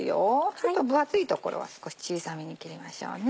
ちょっと分厚い所は少し小さめに切りましょうね。